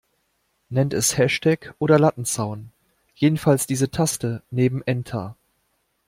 Nenn es Hashtag oder Lattenzaun, jedenfalls diese Taste neben Enter.